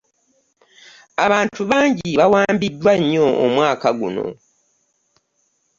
Abantu bangi bawambidwa nnyo omwaka guno.